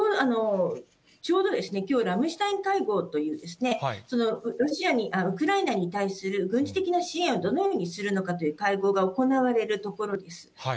ちょうどきょう、ラムシュタイン会合という、ウクライナに対する軍事的な支援をどのようにするのかという会合が行われるところです。